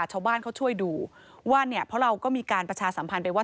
ชาวบ้านเขาช่วยดูว่าเนี่ยเพราะเราก็มีการประชาสัมพันธ์ไปว่า